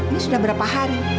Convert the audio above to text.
ini sudah berapa hari